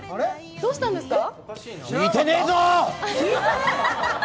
どうしたんですか？